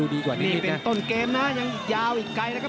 นี่เป็นต้นเกมนะยังยาวอีกไกลนะครับครับ